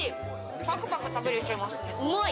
パクパク食べれちゃいますね。